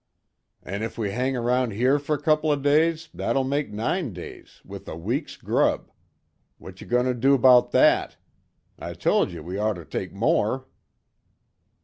"An' if we hang around here fer a couple o' days, that'll make nine days, with a week's grub. What ye goin' to do 'bout that? I told ye we'd ort to take more."